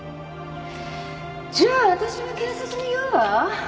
じゃあ私が警察に言うわ